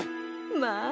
まあ。